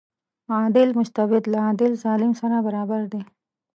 عادل مستبد له عادل ظالم سره برابر دی.